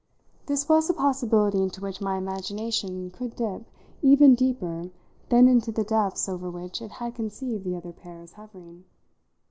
This was a possibility into which my imagination could dip even deeper than into the depths over which it had conceived the other pair as hovering.